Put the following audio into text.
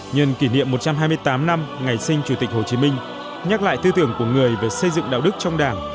nhân kỷ niệm một trăm hai mươi tám năm ngày sinh chủ tịch hồ chí minh nhắc lại tư tưởng của người về xây dựng đạo đức trong đảng